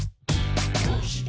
「どうして？